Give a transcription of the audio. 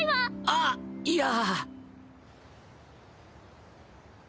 あっいや。